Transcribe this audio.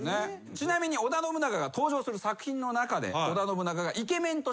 ちなみに織田信長が登場する作品の中で織田信長が。